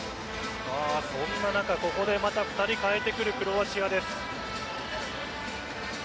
そんな中、ここでまた２人代えてくるクロアチアです。